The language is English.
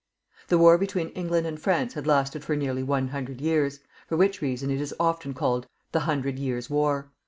The war between England and France had lasted for nearly one hundred years, for which reason it is often called The Hundred Tears' War.